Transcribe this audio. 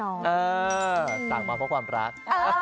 เออสั่งมาเพราะความรัก